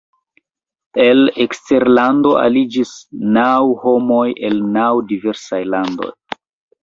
El eksterlando aliĝis naŭ homoj el naŭ diversaj landoj.